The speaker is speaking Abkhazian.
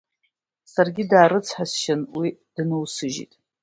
Саргьы даарыцҳасшьан уи дноусыжьит.